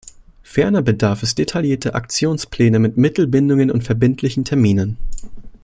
Ferner bedarf es detaillierter Aktionspläne mit Mittelbindungen und verbindlichen Terminen.